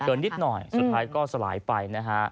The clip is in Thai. นิดหน่อยสุดท้ายก็สลายไปนะฮะ